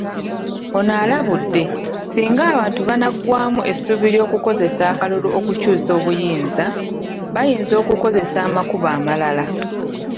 Ono alabudde, singa abantu banaggwaamu essuubi ly'okukozesa akalulu okukyusa obuyinza, bayinza okukozesa amakubo amalala.